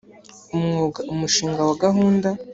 umwuga umushinga wa gahunda